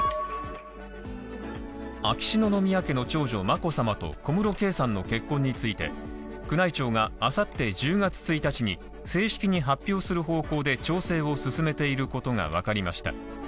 秋篠宮家の長女眞子さまと小室圭さんの結婚について、宮内庁が明後日１０月１日に正式に発表する方向で調整を進めていることがわかりました。